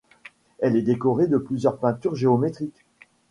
Elle est décorée de plusieurs peintures géométriques.